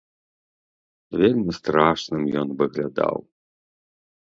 Вельмі страшным ён выглядаў.